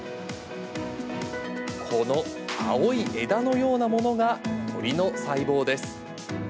この青い枝のようなものが、鶏の細胞です。